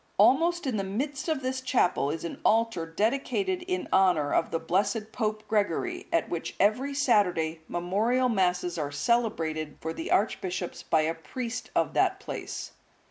(181) Almost in the midst of this chapel is an altar dedicated in honour of the blessed Pope Gregory, at which every Saturday memorial Masses are celebrated for the archbishops by a priest of that place.